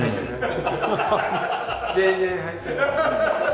全然入ってない。